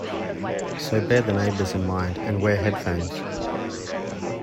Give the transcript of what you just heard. So bear the neighbours in mind and wear headphones.